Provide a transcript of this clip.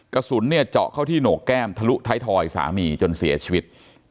กระสุนเนี่ยเจาะเข้าที่โหนกแก้มทะลุท้ายทอยสามีจนเสียชีวิต